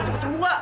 cepat sembuh gak